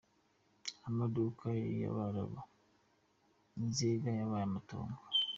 Amaduka y’Abarabu i Nzega yabaye amotongo .